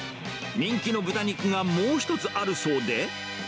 人気の豚肉がもう一つあるそうで。